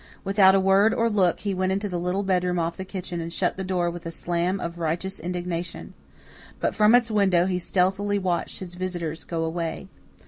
Without a word or look he went into the little bedroom off the kitchen and shut the door with a slam of righteous indignation. But from its window he stealthily watched his visitors go away.